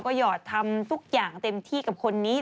ก็หยอดทำทุกอย่างเต็มที่กับคนนี้